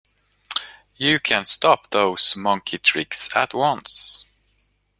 You can stop those monkey tricks at once!